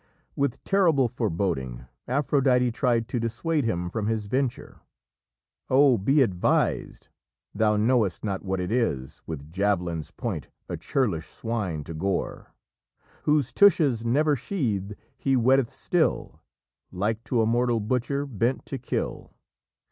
With terrible foreboding, Aphrodite tried to dissuade him from his venture. "O, be advised: thou know'st not what it is With javelin's point a churlish swine to gore, Whose tushes never sheathed he whetteth still, Like to a mortal butcher, bent to kill.